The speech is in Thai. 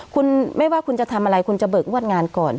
คุณไม่ว่าคุณจะทำอะไรคุณจะเบิกงวดงานก่อน